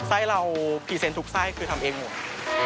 ใส่เราพริเศษทุกใส่คือทำเองหมวง